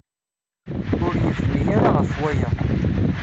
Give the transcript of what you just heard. Ur yebni ara ɣef waya.